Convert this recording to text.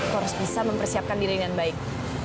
harus bisa mempersiapkan diri dengan baik